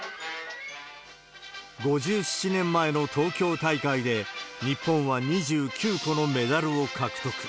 ５７年前の東京大会で、日本は２９個のメダルを獲得。